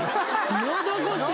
のど越し？